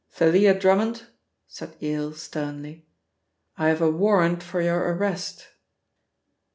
"Thalia Drummond," said Yale sternly. "I have a warrant for your arrest."